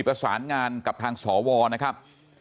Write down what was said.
ประสานงานกับทางสวนะครับ